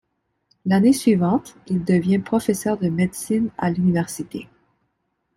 L'année suivante, il devient professeur de médecine à l'université.